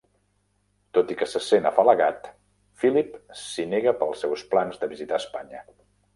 Tot i que se sent afalagat, Philip s'hi nega pels seus plans de visitar Espanya.